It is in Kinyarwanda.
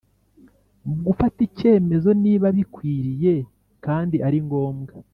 Mu gufata icyemezo niba bikwiye kandi aringombwa